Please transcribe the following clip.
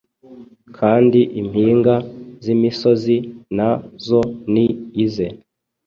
Kandi impinga z’imisozi na zo ni ize.